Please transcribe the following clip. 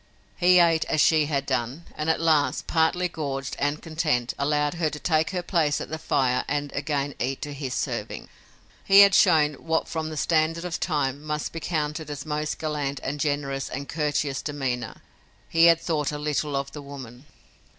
He ate as she had done, and, at last, partly gorged and content, allowed her to take her place at the fire and again eat to his serving. He had shown what, from the standard of the time, must be counted as most gallant and generous and courteous demeanor. He had thought a little of the woman.